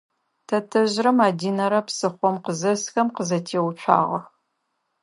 Тэтэжърэ Мадинэрэ псыхъом къызэсхэм къызэтеуцуагъэх.